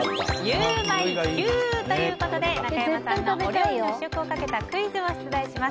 ゆウマいＱということで中山さんのお料理の試食をかけたクイズを出題します。